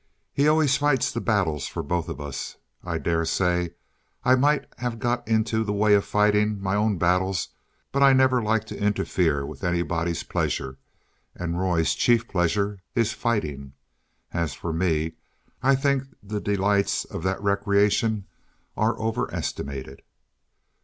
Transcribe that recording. He always fights the battles for both of us. I daresay I might have got into the way of fighting my own battles, but I never like to interfere with anybody's pleasure, and Roy's chief pleasure is fighting. As for me, I think the delights of that recreation are over estimated.